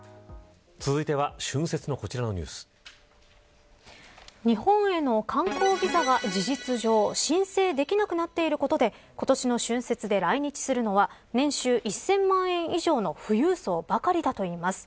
続いては日本への観光ビザは事実上、申請できなくなっていることで今年の春節で来日するのは年収１０００万円以上の富裕層ばかりだといいます。